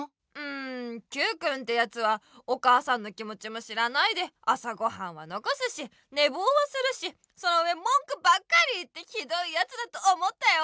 んＱくんてやつはお母さんの気もちも知らないで朝ごはんはのこすしねぼうはするしそのうえもんくばっかり言ってひどいやつだと思ったよ。